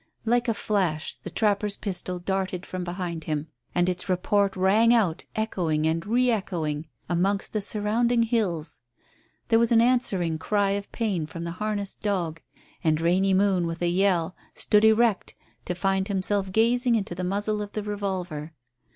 Like a flash the trapper's pistol darted from behind him, and its report rang out echoing and re echoing amongst the surrounding hills. There was an answering cry of pain from the harnessed dog, and Rainy Moon with a yell stood erect to find himself gazing into the muzzle of the revolver.